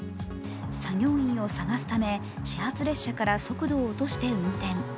作業員を捜すため始発列車から速度を落として運転。